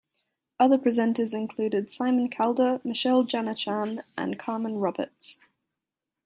Other presenters included: Simon Calder, Michelle Jana-Chan and Carmen Roberts.